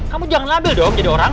kamu jangan label dong jadi orang